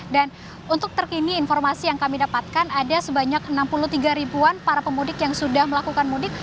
dan untuk terkini informasi yang kami dapatkan ada sebanyak enam puluh tiga ribuan para pemudik yang sudah melakukan mudik